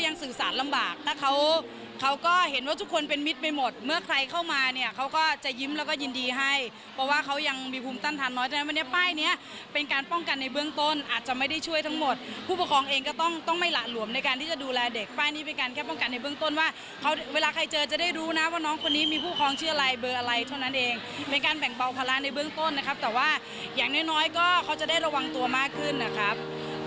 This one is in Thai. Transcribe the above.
ในเบื้องต้นนะครับแต่ว่าอย่างน้อยก็เขาจะได้ระวังตัวมากขึ้นนะครับ